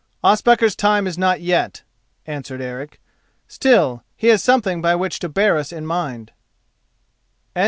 "Ospakar's time is not yet," answered Eric; "still, he has something by which to bear us in mind."